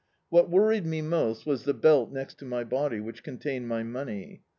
What worried me most was the belt next to my body, which contained my money.